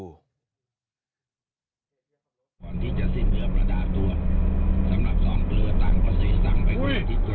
ก่อนที่จะสิ้นเรือประดาษตัวสำหรับสองเกลือต่างประสิทธิ์สั่งไป